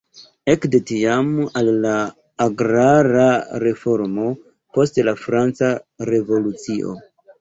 Ekde tiam al la agrara reformo post la Franca Revolucio.